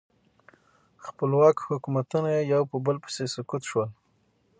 خپلواک حکومتونه یو په بل پسې سقوط شول.